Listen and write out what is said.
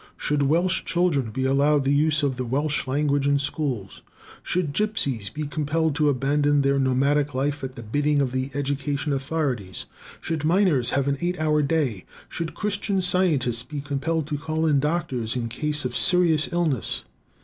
Should Welsh children be allowed the use of the Welsh language in schools? Should gipsies be compelled to abandon their nomadic life at the bidding of the education authorities? Should miners have an eight hour day? Should Christian Scientists be compelled to call in doctors in case of serious illness?